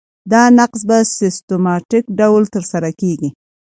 دا نقض په سیستماتیک ډول ترسره کیږي.